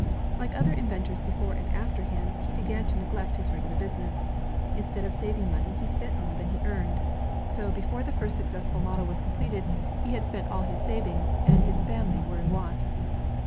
Like other inventors before and after him, he began to neglect his regular business. Instead of saving money, he spent more than he earned. So before the first 96 INVENTIONS OF MANUFACTUKK AN'I) PRODUCTION successful model was completed, he had spent all his sav ings, and his family were in want.